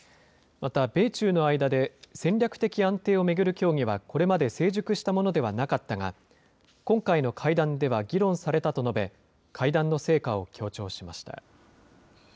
また、米中の間で戦略的安定を巡る協議はこれまで成熟したものではなかったが、今回の会談では議論されたと述べ、会談の成果を強調しました。